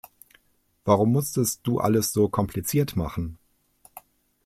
Warum musstest du alles so kompliziert machen?